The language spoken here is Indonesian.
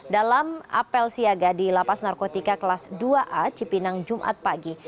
dalam apel siaga di lapas narkotika kelas dua a cipinang jumat pagi